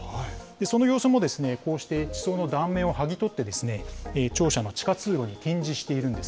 その様子もこうして地層の断面を剥ぎ取ってですね、庁舎の地下通路に展示しているんです。